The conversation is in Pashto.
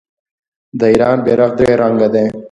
د ایران بیرغ درې رنګه دی.